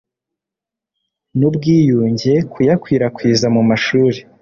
n'ubwiyunge kuyakwirakwiza mu mashuri